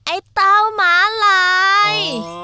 ไอ้เต้าหมาลาย